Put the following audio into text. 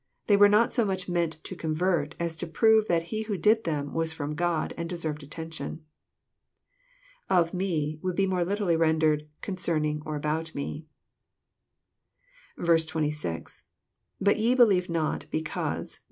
They were not so much meant to convert, as to prove that He who did them was A:om God, and deserved attention. " Of me," would be more literally rendered, " concerning or about me." S6. — IBut ye believe not, because..